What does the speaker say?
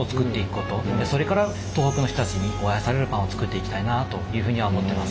それから東北の人たちに愛されるパンを作っていきたいなというふうには思ってます。